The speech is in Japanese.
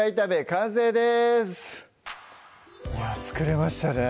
完成ですいや作れましたね